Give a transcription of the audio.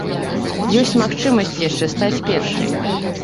Ёсць магчымасць яшчэ стаць першай.